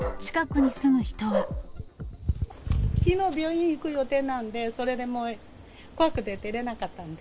きのう、病院行く予定なんで、それでもう、怖くて出られなかったんで。